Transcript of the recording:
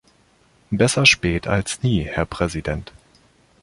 Besser spät als nie, Herr Präsident.